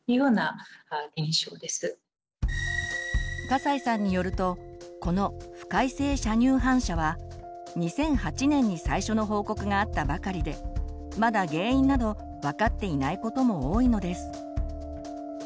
笠井さんによるとこの「不快性射乳反射」は２００８年に最初の報告があったばかりでまだ原因など分かっていないことも多いのです。